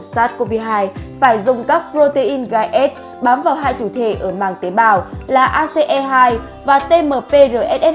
sars cov hai phải dùng các protein gai s bám vào hai thụ thể ở màng tế bào là ace hai và tmprss hai